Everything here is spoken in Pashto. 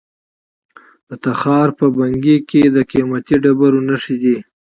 د تخار په بنګي کې د قیمتي ډبرو نښې دي.